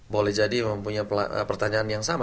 boleh jadi mempunyai pertanyaan yang sama